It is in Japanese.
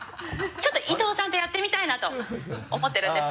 ちょっと伊藤さんとやってみたいなと思ってるんです。